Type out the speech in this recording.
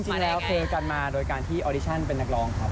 จริงแล้วเจอกันมาโดยการที่ออดิชั่นเป็นนักร้องครับ